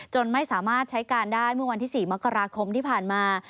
ไม่สามารถใช้การได้เมื่อวันที่๔มกราคมที่ผ่านมา